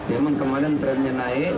memang kemarin trennya naik